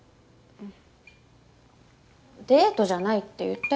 うん。